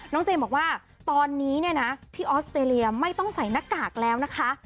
เจมส์บอกว่าตอนนี้เนี่ยนะที่ออสเตรเลียไม่ต้องใส่หน้ากากแล้วนะคะ